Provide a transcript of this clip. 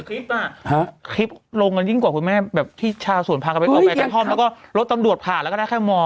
คลิปอ่ะคลิปลงกันยิ่งกว่าคุณแม่แบบที่ชาวสวนภาคกระท่อมแล้วก็รถตำรวจผ่านแล้วก็แค่มอง